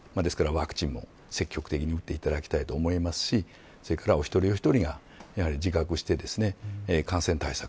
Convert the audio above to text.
ワクチンも積極的に打っていただきたいと思いますしお１人お１人が自覚して感染対策